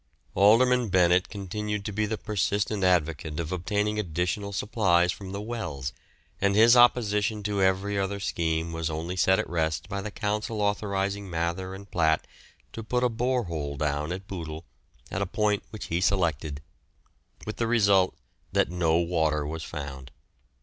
Alderman Bennett continued to be the persistent advocate of obtaining additional supplies from the wells, and his opposition to every other scheme was only set at rest by the Council authorising Mather and Platt to put a bore hole down at Bootle at a point which he selected; with the result that no water was found.